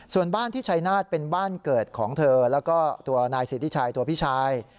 ส่วนบ้านที่ชัยนาฏเป็นบ้านเกิดของเธอแล้วก็ตัวนายสิทธิชัยตัวพี่ชาย